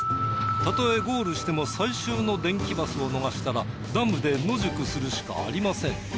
たとえゴールしても最終の電気バスを逃したらダムで野宿するしかありません。